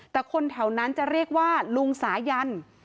แต่คนแถวนั้นจะเรียกว่าลุงสายัน